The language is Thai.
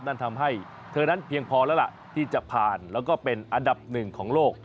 นั่นทำให้เธอนั้นเพียงพอแล้วล่ะที่จะผ่านแล้วก็เป็นอันดับหนึ่งของโลก